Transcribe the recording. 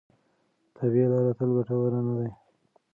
طبیعي لارې تل ګټورې نه دي.